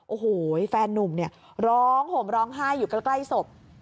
โอ้โหแฟนนุ่มเนี่ยร้องห่มร้องไห้อยู่ใกล้ศพ